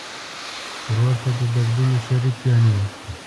ورور ته د دردونو شریک ګڼې.